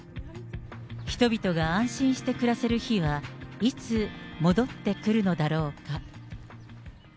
人々が安心して暮らせる日は、いつ戻ってくるのだろうか。